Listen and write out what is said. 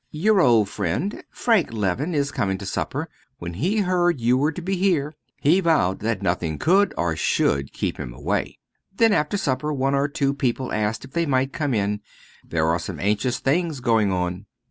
"Your old friend, Frank Leven, is coming to supper. When he heard you were to be here he vowed that nothing could or should keep him away. Then, after supper, one or two people asked if they might come in. There are some anxious things going on."